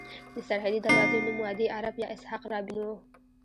د سرحدي دروازې نوم وادي عرب یا اسحاق رابین وو.